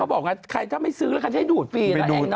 เขาบอกงั้นใครก็ไม่ซื้อการให้ดูดฟรีต่อเอง